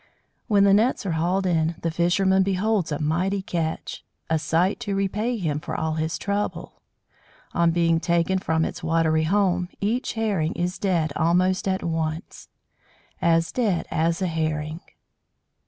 When the nets are hauled in, the fisherman beholds a mighty catch, a sight to repay him for all his trouble. On being taken from its watery home each Herring is dead almost at once "as dead as a Herring."